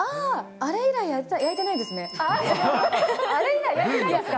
あれ以来焼いてないんですか？